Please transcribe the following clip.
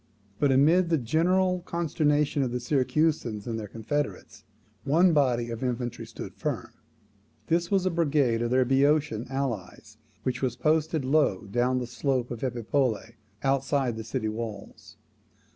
But, amid the general consternation of the Syracusans and their confederates, one body of infantry stood firm. This was a brigade of their Boeotian allies, which was posted low down the slope of Epipolae, outside the city walls.